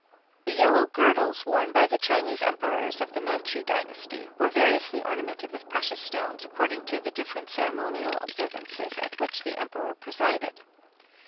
] The yellow girdles worn by the Chinese emperors of the Manchu dynasty were variously ornamented with precious stones according to the different ceremonial observances at which the emperor presided.